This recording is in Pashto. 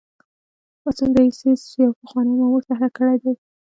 پاڅون د اېس ایس یوه پخواني مامور طرح کړی دی